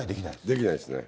できないですね。